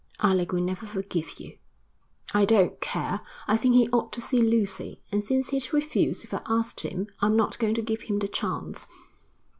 'Alec will never forgive you.' 'I don't care. I think he ought to see Lucy, and since he'd refuse if I asked him, I'm not going to give him the chance.'